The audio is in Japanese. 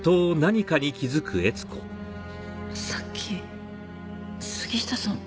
さっき杉下さん